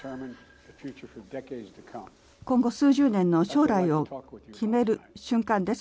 今後数十年の将来を決める瞬間です。